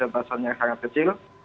walaupun prosentasenya sangat kecil